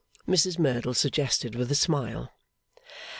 Mrs Merdle suggested with a smile.